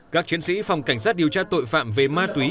các chiến sĩ phòng cảnh sát điều tra tội phạm về ma túy